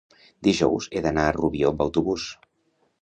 dijous he d'anar a Rubió amb autobús.